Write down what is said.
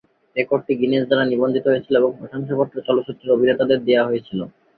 রেকর্ডটি গিনেস দ্বারা নিবন্ধিত হয়েছিল এবং প্রশংসাপত্র চলচ্চিত্রের অভিনেতাদের দেওয়া হয়েছিল।